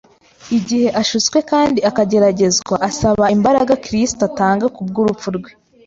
Igihe ashutswe kandi akageragezwa, asaba imbaraga Kristo atanga ku bw’urupfu rwe,